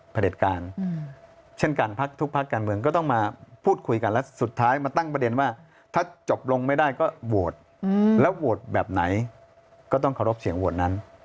เด็จการเช่นกันพักทุกพักการเมืองก็ต้องมาพูดคุยกันแล้วสุดท้ายมาตั้งประเด็นว่าถ้าจบลงไม่ได้ก็โหวตแล้วโหวตแบบไหนก็ต้องเคารพเสียงโหวตนั้น